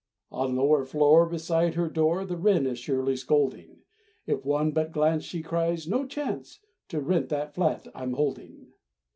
On lower floor, Beside her door, The wren is surely scolding. If one but glance She cries, "No chance To rent the flat I'm holding."